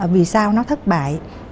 vì sao nó thất bại